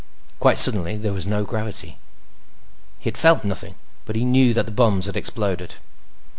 Quite suddenly, there was no gravity. He had felt nothing, but he knew that the bombs had exploded.